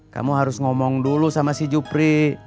kamu harus ngomong dulu sama si jupri